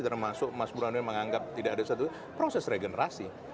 termasuk mas burhanud menganggap tidak ada satu proses regenerasi